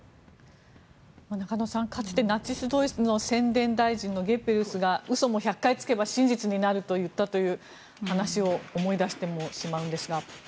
中野さん、かつてナチス・ドイツの宣伝大使のゲッペルスが嘘も１００回つけば真実になるという話を思い出してしまうんですが。